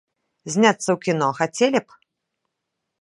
Зняцца ў кіно хацелі б???